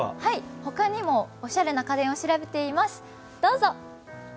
他にもおしゃれな家電を調べています、どうぞ！